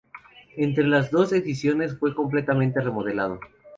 Entre las dos ediciones fue completamente remodelado.